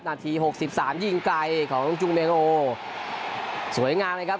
นาทีหกสิบสามยิ่งไกลของจุเมงโอสวยงามเลยครับ